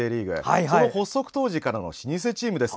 その発足当時からの老舗チームです。